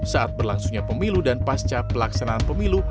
saat berlangsungnya pemilu dan pasca pelaksanaan pemilu